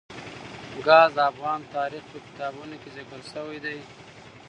ګاز د افغان تاریخ په کتابونو کې ذکر شوی دي.